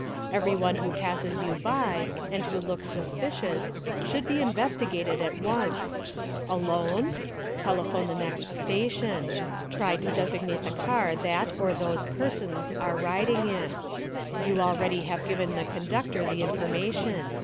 Every one who passes you by, and who looks suspicious, should be investigated at once! Alone? Telephone the next station. Try to designate the car that or those persons are riding in. You already have given the conductor the infor mation.